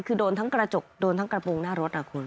คือโดนทั้งกระจกโดนทั้งกระโปรงหน้ารถคุณ